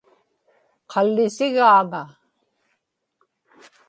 qallisigaaŋa